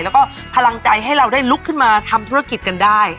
แล้วก็พลังใจให้เราได้ลุกขึ้นมาทำธุรกิจกันได้